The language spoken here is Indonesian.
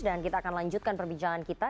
kita akan lanjutkan perbincangan kita